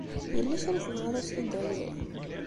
Yella kra i tebɣiḍ ad ak-t-id-awiɣ?